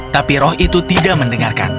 tapi roh itu tidak mendengarkan